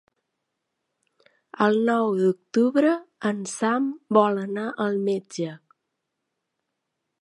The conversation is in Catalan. El nou d'octubre en Sam vol anar al metge.